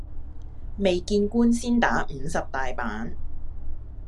未見官先打五十大板